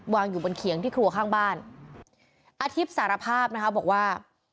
วางอยู่บนเขียงที่ครัวข้างบ้านอาทิตย์สารภาพนะคะบอกว่า